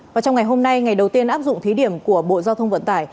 và trong ngày hôm nay ngày đầu tiên áp dụng thí điểm của bộ giao thông vận tải